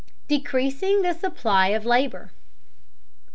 DECREASING THE SUPPLY OF LABOR.